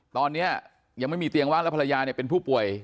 ตอนนี้ยังไม่มีเตียงว่างแล้วภรรยาเป็นผู้ป่วย